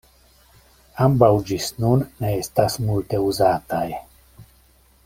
Ambaŭ ĝis nun ne estas multe uzataj.